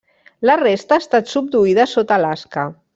La resta ha estat subduïda sota Alaska.